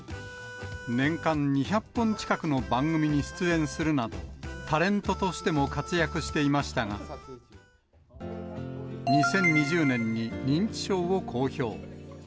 年間２００本近くの番組に出演するなど、タレントとしても活躍していましたが、２０２０年に認知症を公表。